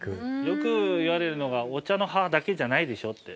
◆よく言われるのが、お茶の葉だけじゃないでしょって。